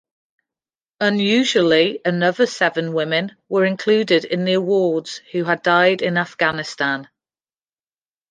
Unusually another seven women were included in the awards who had died in Afghanistan.